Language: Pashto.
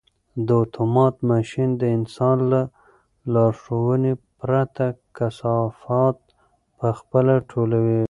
دا اتومات ماشین د انسان له لارښوونې پرته کثافات په خپله ټولوي.